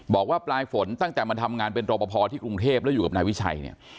บอกว่าปลายฝนตั้งแต่มาทำงานเป็นรอปภที่กรุงเทพแล้วอยู่กับนายวิชัยเนี่ย